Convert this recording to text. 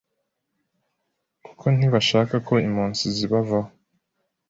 kuko ntibashaka ko impunzi zibavaho